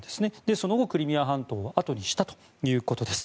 その後、クリミア半島をあとにしたということです。